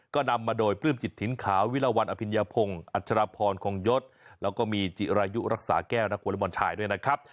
ก็นำมาโดยปลื้มจิตถิ่นขาววิลวันอภิญญาพงศ์อัชรพรคงยศแล้วก็มีจิรายุรักษาแก้วนักวอเล็กบอลชายด้วยนะครับ